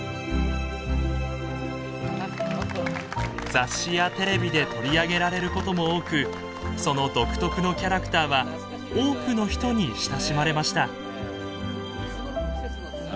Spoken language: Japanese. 雑誌やテレビで取り上げられることも多くその独特のキャラクターは多くの人に親しまれました。